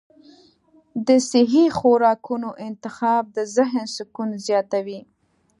د صحي خوراکونو انتخاب د ذهن سکون زیاتوي.